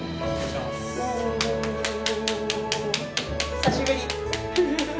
久しぶり。